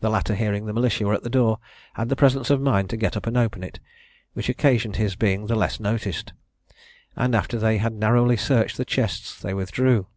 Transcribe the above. The latter, hearing the militia were at the door, had the presence of mind to get up and open it, which occasioned his being the less noticed; and after they had narrowly searched the chests, they withdrew.